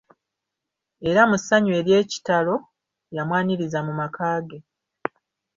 Era mu ssanyu ery'ekitalo, yamwaniriza mu maka ge.